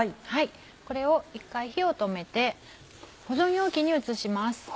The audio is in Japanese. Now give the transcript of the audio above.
これを一回火を止めて保存容器に移します。